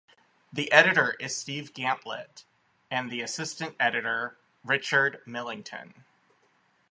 The editor is Steve Gantlett, and the assistant editor Richard Millington.